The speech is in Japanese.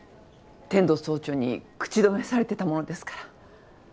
天堂総長に口止めされてたものですから。